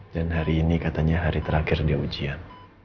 dan hari ini katanya hari terakhir dia ujian